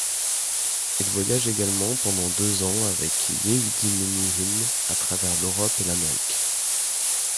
Il voyage également pendant deux ans avec Yehudi Menuhin à travers l'Europe et l'Amérique.